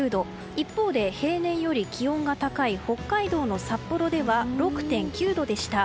一方で、平年より気温の高い北海道の札幌では６．９度でした。